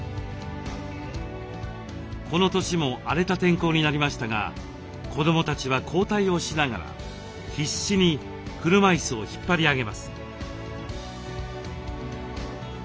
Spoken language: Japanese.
この年も荒れた天候になりましたが子どもたちは交代をしながら必死に車いすを引っ張り上げます。